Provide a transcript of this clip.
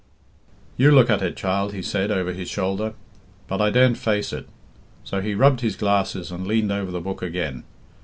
"'You look at it, child,' he said, over his shoulder. But I daren't face it; so he rubbed his glasses and leaned over the book again.